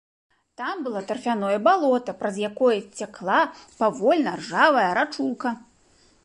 Там было тарфяное балота, праз якое цякла павольна ржавая рачулка.